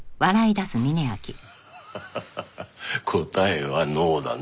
ハハハハ答えはノーだね。